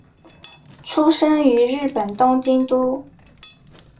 出身于日本东京都。